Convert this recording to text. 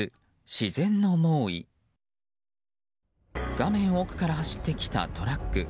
画面奥から走ってきたトラック。